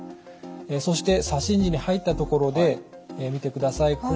そして左心耳に入ったところで見てください。